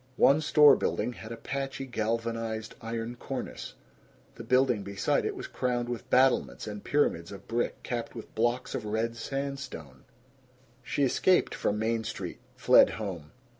One store building had a patchy galvanized iron cornice; the building beside it was crowned with battlements and pyramids of brick capped with blocks of red sandstone. She escaped from Main Street, fled home.